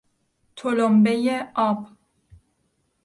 تلمبهی آب